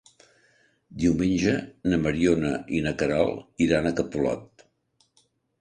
Diumenge na Mariona i na Queralt iran a Capolat.